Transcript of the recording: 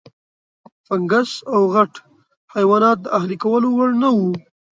فنګس او غټ حیوانات د اهلي کولو وړ نه وو.